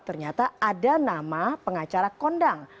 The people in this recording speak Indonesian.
ternyata ada nama pengacara kondang